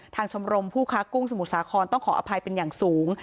ชมรมผู้ค้ากุ้งสมุทรสาครต้องขออภัยเป็นอย่างสูง